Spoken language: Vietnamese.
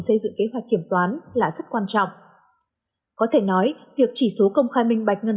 xây dựng kế hoạch kiểm toán là rất quan trọng có thể nói việc chỉ số công khai minh bạch ngân